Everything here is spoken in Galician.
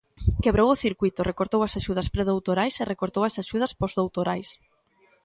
Quebrou o circuíto, recortou as axudas predoutorais e recortou as axudas posdoutorais.